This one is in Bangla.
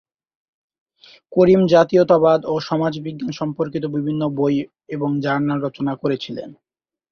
করিম জাতীয়তাবাদ ও সমাজবিজ্ঞান সম্পর্কিত বিভিন্ন বই এবং জার্নাল রচনা করেছিলেন।